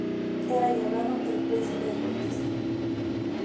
Era llamado "el príncipe deportista".